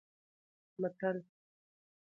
متل: